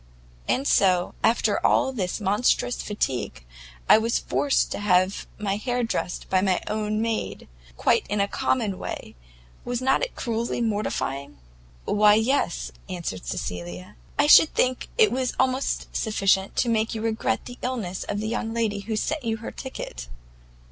And so, after all this monstrous fatigue, I was forced to have my hair dressed by my own maid, quite in a common way; was not it cruelly mortifying?" "Why yes," answered Cecilia, "I should think it was almost sufficient to make you regret the illness of the young lady who sent you her ticket."